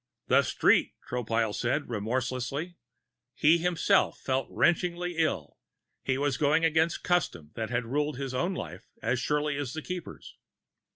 "The street!" Tropile said remorselessly. He himself felt wrenchingly ill; he was going against custom that had ruled his own life as surely as the Keeper's.